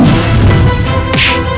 dia pasti akan terima